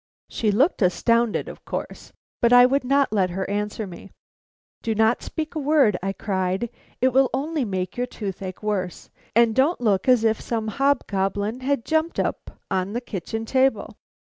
She looked astounded, of course, but I would not let her answer me. "Don't speak a word," I cried, "it will only make your toothache worse; and don't look as if some hobgoblin had jumped up on the kitchen table.